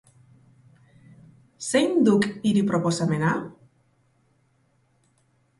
Zein duk hire proposamena?